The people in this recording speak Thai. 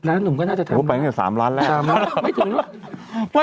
๑๐ล้านหนุ่มก็น่าจะทำได้นะครับไม่ถึงน่ะหัวไปแค่๓ล้านแล้ว